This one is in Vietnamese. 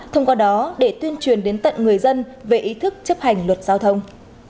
thông qua đó để tuyên truyền đến tận người dân về ý thức chấp hành luật giao thông